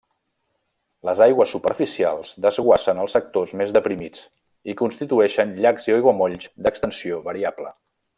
Les aigües superficials desguassen als sectors més deprimits i constitueixen llacs i aiguamolls d'extensió variable.